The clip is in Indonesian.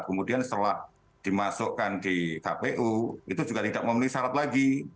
kemudian setelah dimasukkan di kpu itu juga tidak memenuhi syarat lagi